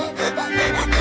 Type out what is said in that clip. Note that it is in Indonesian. jangan menjadi paham